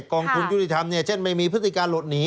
กองทุนยุติธรรมเช่นไม่มีพฤติการหลบหนี